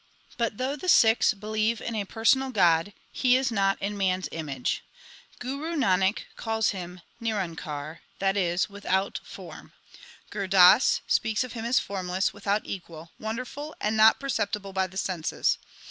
But though the Sikhs believe in a personal God, He is not in man s image. Guru Nanak calls Him, Nirankar that is, without form. Gur Das speaks of Him as formless, without equal, wonderful, and not perceptible by the senses.